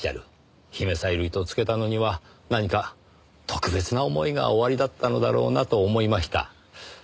姫小百合とつけたのには何か特別な思いがおありだったのだろうなと思いました。